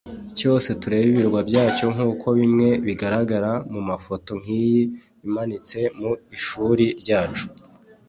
cyose turebe ibirwa byacyo nk’uko bimwe bigaragara mu mafoto nk’iyi imanitse mu ishuri ryacu